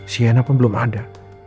siena pun belum ada